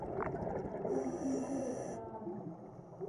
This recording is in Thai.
ลัทธิเผด็จการ